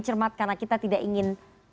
cermat karena kita tidak ingin